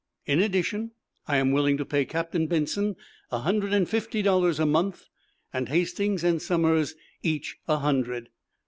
In addition, I am willing to pay Captain Benson a hundred and fifty dollars a month, and Hastings and Somers each a hundred."